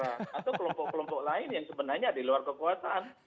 atau kelompok kelompok lain yang sebenarnya di luar kekuasaan